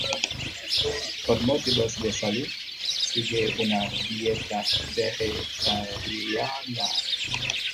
Por motivos de salud, sigue una dieta vegetariana.